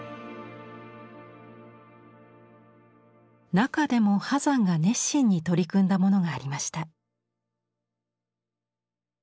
中でも波山が熱心に取り組んだものがありました。